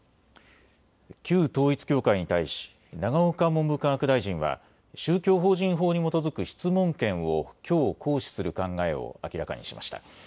旧統一教会に対し永岡文部科学大臣は宗教法人法に基づく質問権をきょう行使する考えを明らかにしました。